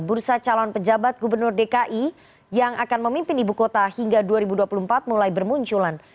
bursa calon pejabat gubernur dki yang akan memimpin ibu kota hingga dua ribu dua puluh empat mulai bermunculan